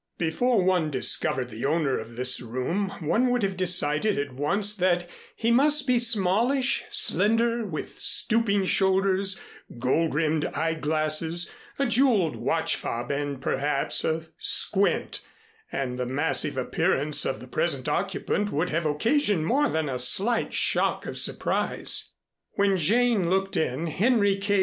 Before one discovered the owner of this room one would have decided at once that he must be smallish, slender, with stooping shoulders, gold rimmed eye glasses, a jeweled watch fob and, perhaps, a squint; and the massive appearance of the present occupant would have occasioned more than a slight shock of surprise. When Jane looked in, Henry K.